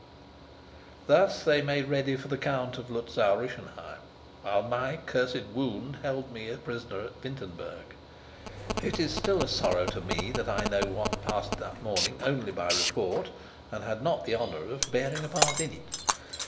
Thus they made ready for the Count of Luzau Rischenheim, while my cursed wound held me a prisoner at Wintenberg. It is still a sorrow to me that I know what passed that morning only by report, and had not the honor of bearing a part in it.